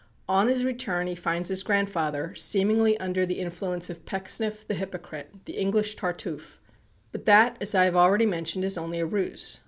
On his return, he finds his grandfather seemingly under the influence of Pecksniff, the hypocrite, the English Tartuffe. But that, as I have already mentioned, is only a ruse.